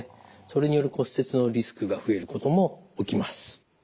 それによる骨折のリスクが増えることも起きます。